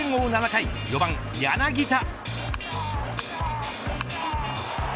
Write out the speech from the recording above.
７回、４番、柳田。